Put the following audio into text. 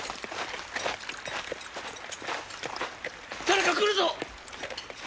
誰か来るぞ！